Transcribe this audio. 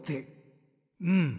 うん。